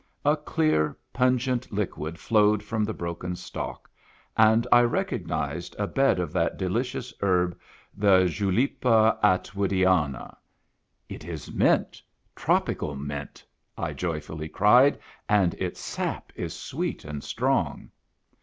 A clear pungent liquid flowed from the broken stalk, and I recognized a bed of that delicious herb the Julepa Attwoodiana. "It is mint, — tropical mint!" — I joyfully cried, " and its sap is sweet and strong."